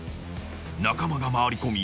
［中間が回り込み